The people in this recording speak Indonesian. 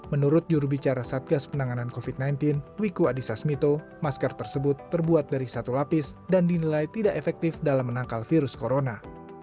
menurut jurubicara satgas penanganan covid sembilan belas wiku adhisa smito masker tersebut terbuat dari satu lapis dan dinilai tidak efektif dalam menangkal virus corona